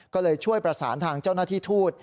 ก็เลยช่วยประสานทางเจ้าหน้าที่ทูต